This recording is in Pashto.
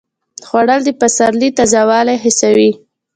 خوړل د پسرلي تازه والی حسوي